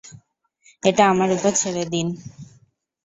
এটা আমার উপর ছেড়ে দিন।